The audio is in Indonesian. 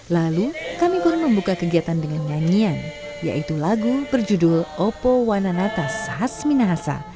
lalu kami pun membuka kegiatan dengan nyanyian yaitu lagu berjudul opo wananata sass minahasa